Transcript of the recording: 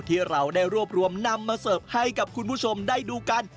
ที่เราได้รวบรวมนำมาเสิร์ฟให้กับคุณผู้ชมได้ดูกัน